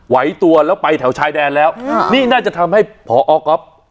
ไหวตัวแล้วไปแถวชายแดนแล้วนี่น่าจะทำให้พอก๊อฟ